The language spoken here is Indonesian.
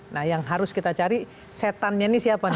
nah yang harus kita cari setannya ini siapa nih